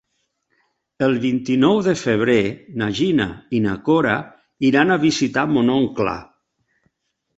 El vint-i-nou de febrer na Gina i na Cora iran a visitar mon oncle.